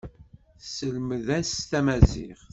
Tesselmed-as tamaziɣt.